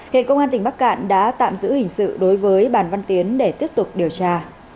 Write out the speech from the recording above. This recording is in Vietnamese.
hiện công an tỉnh bắc cạn đã tạm giữ hình sự đối với bàn văn tiến để tiếp tục điều tra